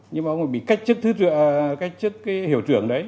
nhưng mà ông bị cách chức hiệu trưởng đấy